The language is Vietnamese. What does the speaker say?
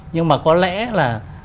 nhưng mà có lẽ là